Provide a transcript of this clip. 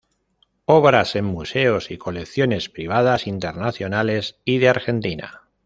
Obras en museos y colecciones privadas internacionales y de Argentina.